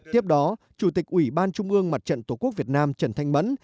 tiếp đó chủ tịch ủy ban trung ương mặt trận tổ quốc việt nam trần thanh mẫn